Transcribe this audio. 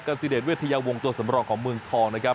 ซิเดชเวทยาวงศ์ตัวสำรองของเมืองทองนะครับ